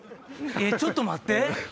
ちょっと待って！